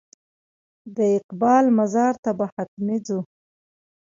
د اقبال مزار ته به حتمي ځو.